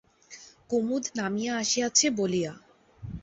কুমুদ নামিয়া আসিয়াছে বলিয়া।